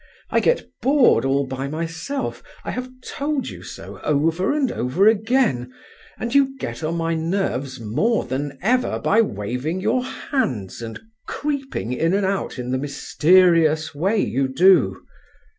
I get bored all by myself; I have told you so over and over again, and you get on my nerves more than ever by waving your hands and creeping in and out in the mysterious way you do."